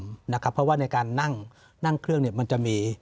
เพราะว่าในการนั่งเครื่องมันจะมี